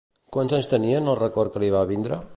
Quants anys tenia en el record que li va vindre?